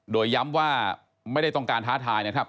โดยย้ำว่าไม่ได้ต้องการท้าทายนะครับ